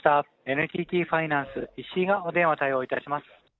ＮＴＴファイナンス、イシイがお電話対応いたします。